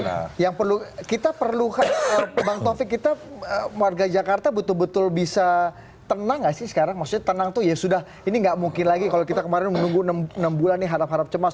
nah yang perlu kita perlukan bang taufik kita warga jakarta betul betul bisa tenang gak sih sekarang maksudnya tenang tuh ya sudah ini nggak mungkin lagi kalau kita kemarin menunggu enam bulan nih harap harap cemas